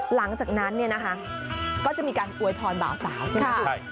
หลังจากนั้นเนี่ยนะคะก็จะมีการอวยพรบ่าวสาวใช่ไหมคุณ